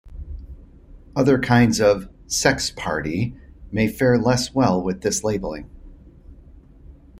Other kinds of "sex party" may fare less well with this labeling.